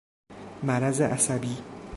مرض عصبی